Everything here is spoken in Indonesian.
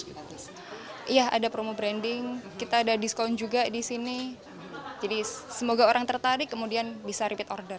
iya ada promo branding kita ada diskon juga di sini jadi semoga orang tertarik kemudian bisa repeat order